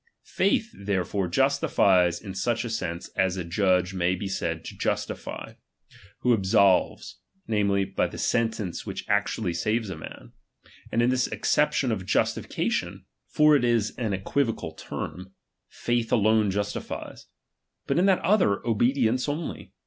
Faith therefore justifies in such a sense as a judge may be said to justify, who absolves, namely, by the sentence which actually saves a man ; and in this acception of justification (for it is an equivocal term) faith alone justifies ; but in the other, obedience only.